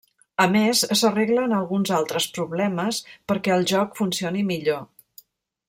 A més, s'arreglen alguns altres problemes perquè el joc funcioni millor.